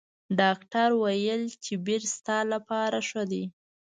ډاکټر ویل چې بیر ستا لپاره ښه دي.